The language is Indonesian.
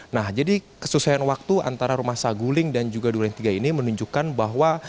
nah jadi kesusahan waktu antara rumah saguling dan juga duren tiga ini menunjukkan bahwa